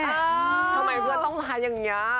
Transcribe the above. ทำไมเพื่อนต้องมาอย่างนี้